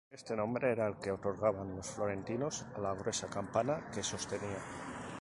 Este nombre era el que otorgaban los florentinos a la gruesa campana que sostenía.